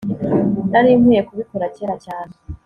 nari nkwiye kubikora kera cyane